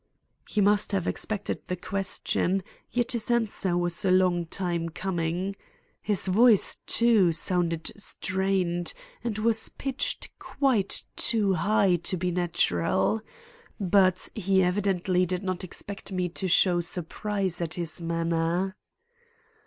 He must have expected the question, yet his answer was a long time coming. His voice, too, sounded strained, and was pitched quite too high to be natural. But he evidently did not expect me to show surprise at his manner.